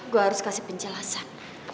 gue harus kasih penjelasan